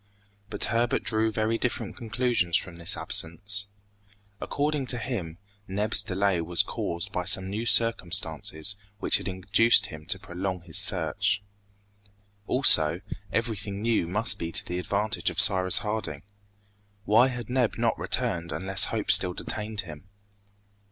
But Herbert drew very different conclusions from this absence. According to him, Neb's delay was caused by some new circumstances which had induced him to prolong his search. Also, everything new must be to the advantage of Cyrus Harding. Why had Neb not returned unless hope still detained him?